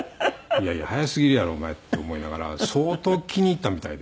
いやいや早すぎるやろお前って思いながら相当気に入ったみたいで。